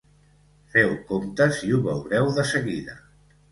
Feu comptes i ho veureu de seguida.